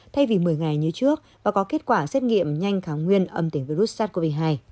thay vì một mươi ngày như trước và có kết quả xét nghiệm nhanh kháng nguyên âm tính với virus sars cov hai